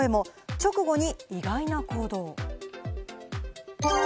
直後に意外な行動。